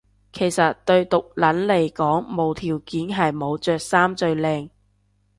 其實對毒撚嚟講無條件係冇着衫最靚